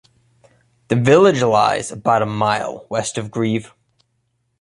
The village lies about a mile west of Greve.